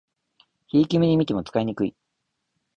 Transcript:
ひいき目にみても使いにくい